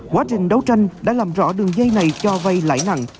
quá trình đấu tranh đã làm rõ đường dây này cho vay lãi nặng